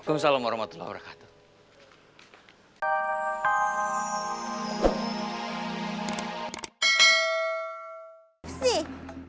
assalamualaikum warahmatullahi wabarakatuh